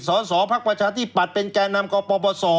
สอนสองภาคประชาที่ปัดเป็นแก่นำกับประวัติศาสตร์